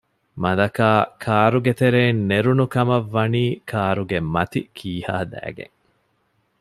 މަލަކާ ކާރުގެތެރެއިން ނެރުނު ކަމަށްވަނީ ކާރުގެ މަތި ކީހާލައިގެން